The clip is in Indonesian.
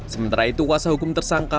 sementara itu kuasa hukum tersangka